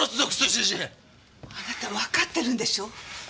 あなたわかってるんでしょ？